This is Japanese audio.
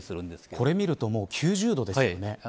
これ見るともう９０度ですよね。